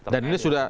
dan ini sudah